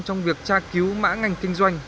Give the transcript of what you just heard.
trong việc tra cứu mã ngành kinh doanh